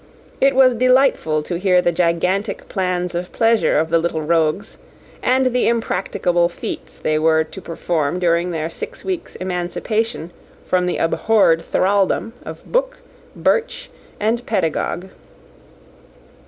It was delightful to hear the gigantic plans of pleasure of the little rogues, and the impracticable feats they were to perform during their six weeks' emancipation from the abhorred thraldom of book, birch, and pedagogue.